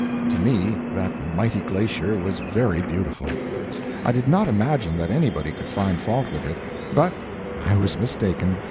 To me, that mighty glacier was very beautiful. I did not imagine that anybody could find fault with it; but I was mistaken.